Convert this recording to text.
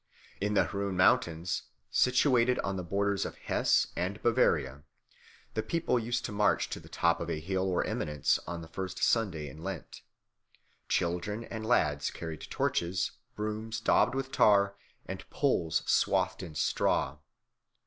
In the Rhön Mountains, situated on the borders of Hesse and Bavaria, the people used to march to the top of a hill or eminence on the first Sunday in Lent. Children and lads carried torches, brooms daubed with tar, and poles swathed in straw.